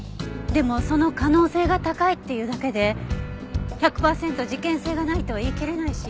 でもその可能性が高いっていうだけで１００パーセント事件性がないとは言いきれないし。